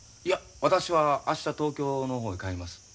いや私は明日東京の方へ帰ります。